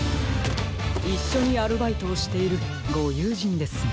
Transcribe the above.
いっしょにアルバイトをしているごゆうじんですね。